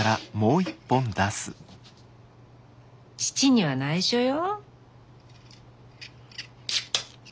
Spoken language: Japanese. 義父にはないしょよ。